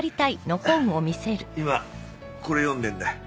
今これ読んでんだ。